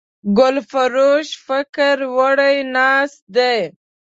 ګلفروش فکر وړی ناست دی